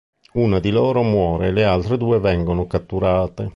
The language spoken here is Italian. Una di loro muore e le altre due vengono catturate.